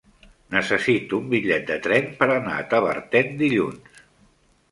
Necessito un bitllet de tren per anar a Tavertet dilluns.